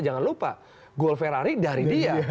jangan lupa golf ferrari dari dia